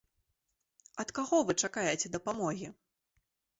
Ад каго вы чакаеце дапамогі?